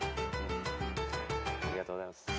ありがとうございます。